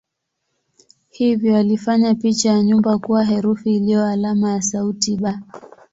Hivyo walifanya picha ya nyumba kuwa herufi iliyo alama ya sauti "b".